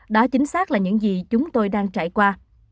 đó chính xác là những gì chúng tôi đang trải qua